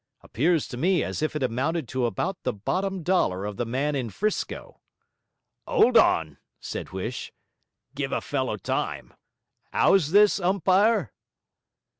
Appears to me as if it amounted to about the bottom dollar of the man in 'Frisco.' ''Old on,' said Huish. 'Give a fellow time; 'ow's this, umpire?'